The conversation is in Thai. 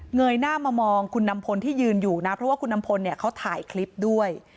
ยหน้ามามองคุณนำพลที่ยืนอยู่นะเพราะว่าคุณอำพลเนี่ยเขาถ่ายคลิปด้วย